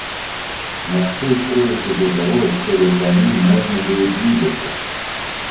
Мосты строятся для того, чтобы по ним можно было двигаться.